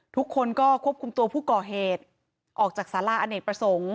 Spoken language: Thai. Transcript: ทุกคนก็ควบคุมตัวผู้ก่อเหตุออกจากสาราอเนกประสงค์